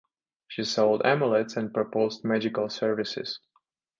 She sold amulets and proposed magical services.